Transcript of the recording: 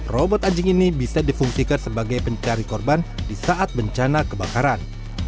robot anjing ini bisa difungsikan sebagai pencari korban di saat bencana kebakaran